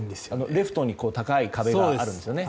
レフトに高い壁がありますね。